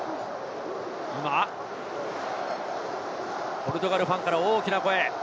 ポルトガルファンから大きな声。